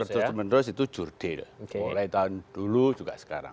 terus menerus itu jurdil mulai tahun dulu juga sekarang